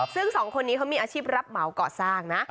ซึ่งสองคนนี้เขามีอาชีพรับเหมาก่อสร้างนะ